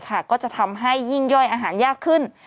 ก็จะทำให้ยิ่งย่อยอาหารยากขึ้น